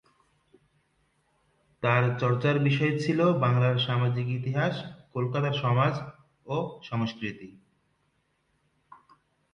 তার চর্চার বিষয় ছিল বাংলার সামাজিক ইতিহাস, কলকাতার সমাজ ও সংস্কৃতি।